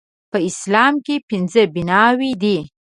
په اسلام کې پنځه بناوې دي